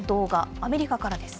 アメリカからです。